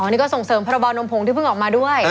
นี่ก็ส่งเสริมพระบานมผงที่เพิ่งออกมาด้วย